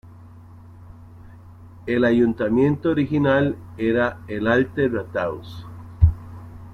El ayuntamiento original era el Altes Rathaus.